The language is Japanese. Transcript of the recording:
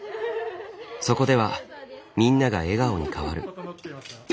そこではみんなが笑顔に変わる。